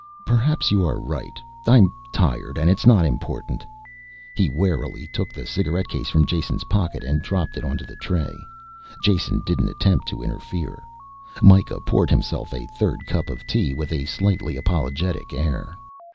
"Perhaps you are right. I'm tired, and it is not important." He warily took the cigarette case from Jason's pocket and dropped it onto the tray. Jason didn't attempt to interfere. Mikah poured himself a third cup of tea with a slightly apologetic air.